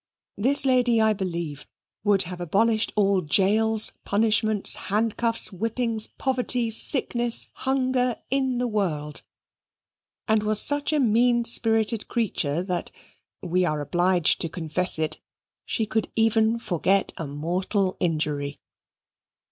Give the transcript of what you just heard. This lady, I believe, would have abolished all gaols, punishments, handcuffs, whippings, poverty, sickness, hunger, in the world, and was such a mean spirited creature that we are obliged to confess it she could even forget a mortal injury.